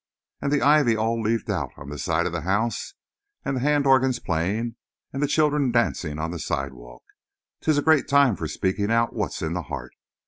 And the ivy all leaved out on the side of the house, and the hand organs playing, and the children dancing on the sidewalk—'tis a great time for speaking out what's in the heart.